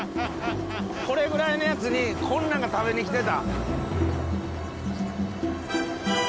これぐらいのやつにこんなんが食べにきてた。